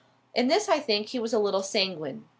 In this I think he was a little sanguine.